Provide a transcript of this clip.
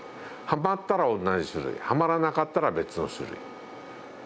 はまったら同じ種類はまらなかったら別の種類。